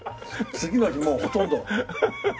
次の日もうほとんど。